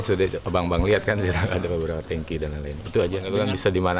sudah bang bang lihat kan ada beberapa tangki dan lain lain itu aja itu kan bisa dimana